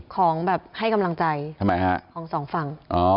ของแบบให้กำลังใจทำไมฮะของสองฝั่ง